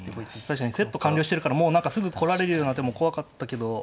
確かにセット完了してるからもう何かすぐ来られるような手も怖かったけど。